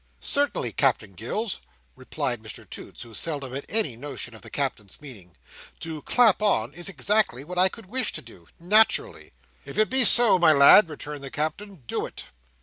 "Certainly, Captain Gills," replied Mr Toots, who seldom had any notion of the Captain's meaning. "To clap on, is exactly what I could wish to do. Naturally." "If so be, my lad," returned the Captain. "Do it!"